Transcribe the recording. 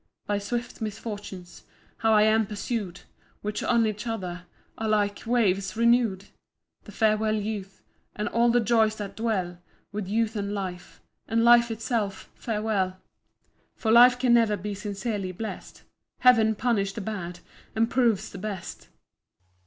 [By swift misfortunes How I am pursu'd! Which on each other Are, like waves, renew'd!] The farewell, youth, And all the joys that dwell With youth and life! And life itself, farewell! For life can never be sincerely blest. Heav'n punishes the bad, and proves the best.